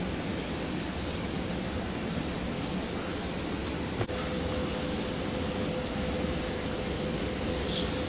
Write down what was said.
ที่กล่าวจะเป็นภายใต้อะไร